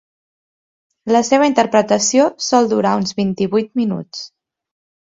La seva interpretació sol durar uns vint-i-vuit minuts.